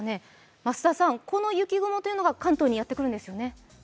増田さん、この雪雲が関東にやってくるんですよね。